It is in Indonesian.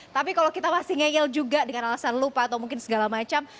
tapi kalau kita masih ngeyel juga dengan alasan lupa atau mungkin segala macam